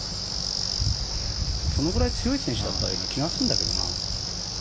そのぐらい強い選手だったような気がするんだけどな。